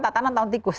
tatanan tahun tikus